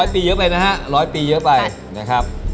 ปีเยอะไปนะฮะ๑๐๐ปีเยอะไปนะครับ